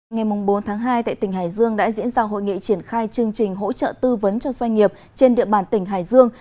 ngày bốn tháng hai tại tỉnh hải dương đã diễn ra hội nghị triển khai chương trình hỗ trợ tư vấn cho doanh nghiệp trên địa bàn tỉnh hải dương